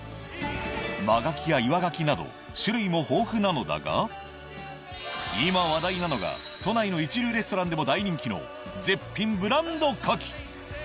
真牡蠣や岩牡蠣など種類も豊富なのだが今話題なのが都内の一流レストランでも大人気の絶品ブランド牡蠣！